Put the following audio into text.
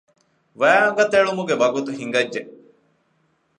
ވައި އަނގަތެޅުމުގެ ވަގުތު ހިނގައްޖެ